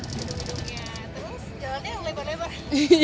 gedung gedungnya terus jalannya lebar lebar